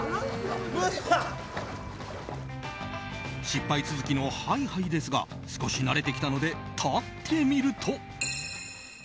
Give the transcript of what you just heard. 失敗続きのＨｉ‐Ｈｉですが少し慣れてきたので立ってみると。